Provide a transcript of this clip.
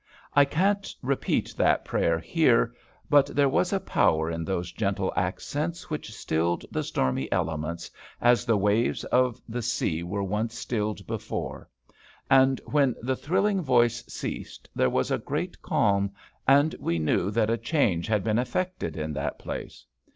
I can't repeat that prayer here, but there was a power in those gentle accents which stilled the stormy elements, as the waves of the sea were once stilled before; and when the thrilling voice ceased there was a great calm, and we knew that a change had been affected in that place.